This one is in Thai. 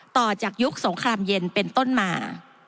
ต่อจากยุคสงครามเย็นเป็นต้นมา